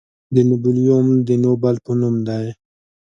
د نوبلیوم د نوبل په نوم دی.